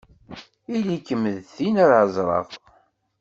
Ili-kem d tin ara ẓreɣ!